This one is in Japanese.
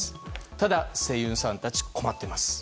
ただ、声優さんたちは困っています。